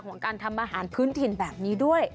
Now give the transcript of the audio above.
ของการทำอาหารพื้นถิ่นแบบนี้ด้วย